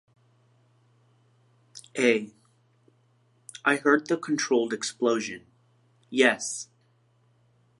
A. I heard the controlled explosion, yes.